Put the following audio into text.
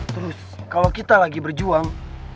terus kalau kita lagi berjuang